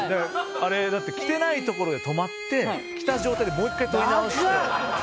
あれだって着てないところで止まって着た状態でもう一回撮り直して。